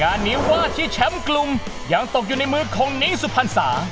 งานนี้ว่าที่แชมป์กลุ่มยังตกอยู่ในมือของนิ้งสุพรรษา